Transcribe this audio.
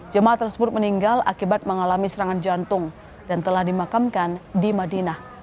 jemaah tersebut meninggal akibat mengalami serangan jantung dan telah dimakamkan di madinah